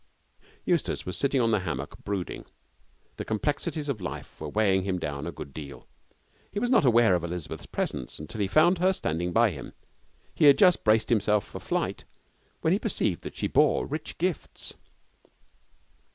Eustace was sitting on the hammock, brooding. The complexities of life were weighing him down a good deal. He was not aware of Elizabeth's presence until he found her standing by him. He had just braced himself for flight, when he perceived that she bore rich gifts.